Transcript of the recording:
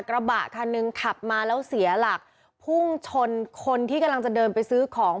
กระบะคันหนึ่งขับมาแล้วเสียหลักพุ่งชนคนที่กำลังจะเดินไปซื้อของ